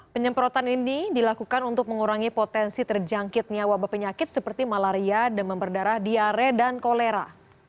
penyemprotan ini dilakukan untuk mengurangi potensi terjangkitnya wabah penyakit seperti malaria demam berdarah diare dan kolera